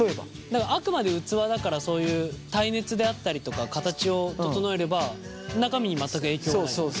あくまで器だからそういう耐熱であったりとか形を整えれば中身に全く影響がないっていうこと。